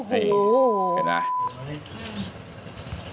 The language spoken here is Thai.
เห็นไหม